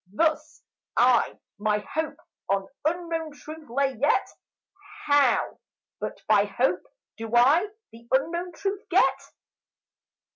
Thus I my hope on unknown truth lay; yet How but by hope do I the unknown truth get?